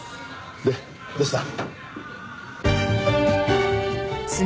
でどうした？